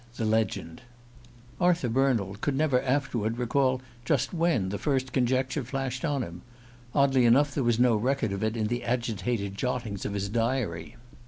THE LEGEND I ARTHUR BERNALD could never afterward recall just when the first conjecture flashed on him: oddly enough, there was no record of it in the agitated jottings of his diary.